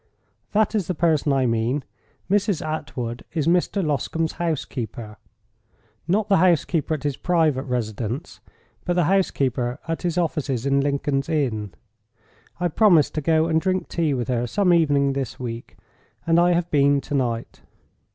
"That is the person I mean. Mrs. Attwood is Mr. Loscombe's housekeeper; not the housekeeper at his private residence, but the housekeeper at his offices in Lincoln's Inn. I promised to go and drink tea with her some evening this week, and I have been to night.